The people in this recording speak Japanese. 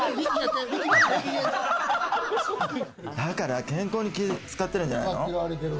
だから健康に気をつかってるんじゃないの？